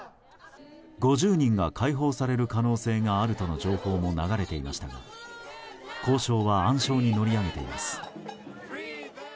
５０人が解放される可能性があるとの情報も流れていましたが交渉は暗礁に乗り上げています。